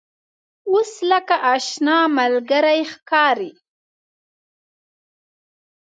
اوس لکه آشنا ملګری ښکاري.